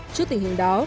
trước tình hình đó